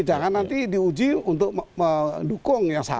jangan nanti diuji untuk mendukung yang satu